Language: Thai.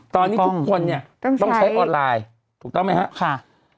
ตอนนี้ทุกคนเนี่ยต้องใช้ออนไลน์ถูกต้องไหมครับ